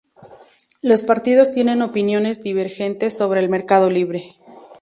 Los partidos tienen opiniones divergentes sobre el mercado libre.